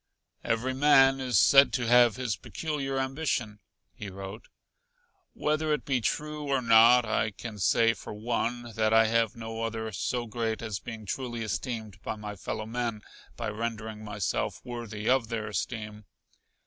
"Every man is said to have his peculiar ambition," he wrote. "Whether it be true or not, I can say, for one, that I have no other so great as being truly esteemed by my fellow men by rendering myself worthy of their esteem.